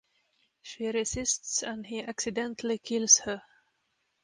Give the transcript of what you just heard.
She resists and he accidentally kills her.